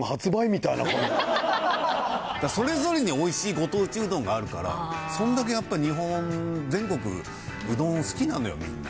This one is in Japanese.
それぞれにおいしいご当地うどんがあるからそんだけやっぱ日本全国うどん好きなのよみんな。